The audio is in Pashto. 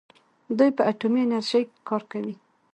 دوی په اټومي انرژۍ کار کوي.